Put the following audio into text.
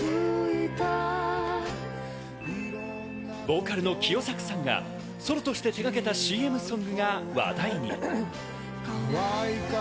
ボーカルの清作さんがソロとして手がけたＣＭソングが話題に。